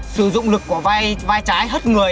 sử dụng lực của vai trái hất người